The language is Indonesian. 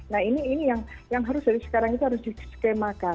nah ini yang harus dari sekarang itu harus diskemakan